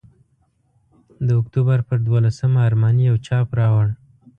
د اکتوبر پر دوولسمه ارماني یو چاپ راوړ.